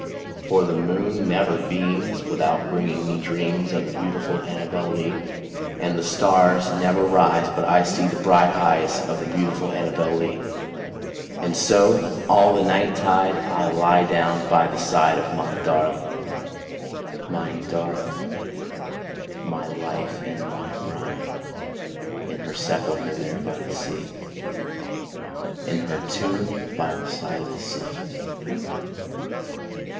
For the moon never beams without bringing me dreams Of the beautiful ANNABEL LEE; And the stars never rise but I see the bright eyes Of the beautiful ANNABEL LEE; And so, all the night tide, I lie down by the side Of my darling, my darling, my life and my bride, In her sepulchre there by the sea In her tomb by the side of the sea.